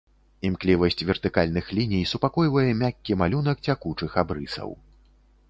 Імклівасць вертыкальных ліній супакойвае мяккі малюнак цякучых абрысаў.